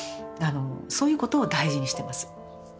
そういうことを大事にしてます。